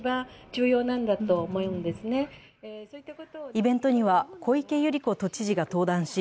イベントには小池百合子都知事が登壇し